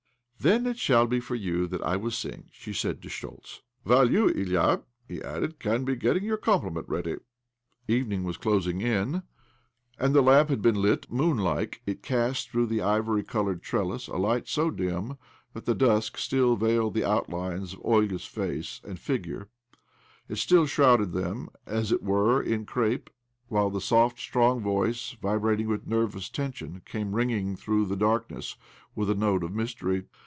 ' Then it shall be for you that I will sing," she said to S'chtoltz. " WhUe you, Ilya," he added, " can be getting your compliment ready." Evening was closing in, and the lamp had been lit. Moonlike, it cast through the ivy covered trellis a light so dim that the dusk still veiled the outlines of Olga's face and figure — it still shrouded them, as it were, ia crepe ; while the soft, strong voice, vibrat ing with nervous tension, came ringing through the darkness with a note of mystery.